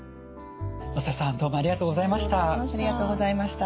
能瀬さんどうもありがとうございました。